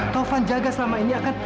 tovan jaga selama ini akan